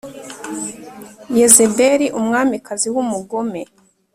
yezebeli, umwamikazi wu mugome